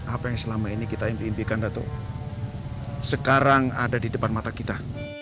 apa yang selama ini kita impi impikan atau sekarang ada di depan mata kita